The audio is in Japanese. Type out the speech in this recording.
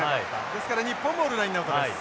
ですから日本ボールのラインアウトです。